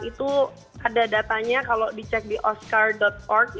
itu ada datanya kalau dicek di oscar org